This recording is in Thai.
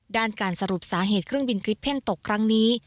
การสรุปสาเหตุเครื่องบินกริปเพ่นตกครั้งนี้